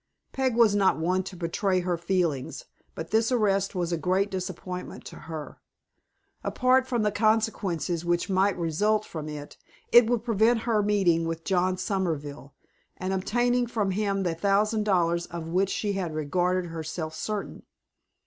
Peg was not one to betray her feelings, but this arrest was a great disappointment to her. Apart from the consequences which might result from it, it would prevent her meeting with John Somerville, and obtaining from him the thousand dollars of which she had regarded herself certain.